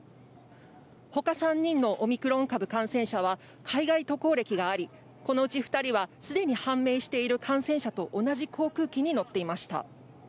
ほか３人のオミクロン株感染者は海外渡航歴があり、このうち２人はすでに判明している感染者と同じ航空機に乗っていました。